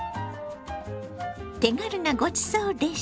手軽なごちそうレシピ。